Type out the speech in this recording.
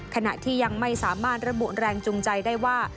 ขณะที่ยังไม่สามารถระบุแรงจูงใจได้ว่า